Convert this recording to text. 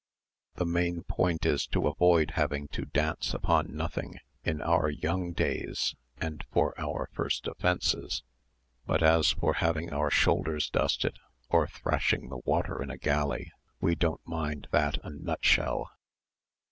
The main point is to avoid having to dance upon nothing in our young days and for our first offences; but as for having our shoulders dusted, or thrashing the water in a galley, we don't mind that a nutshell.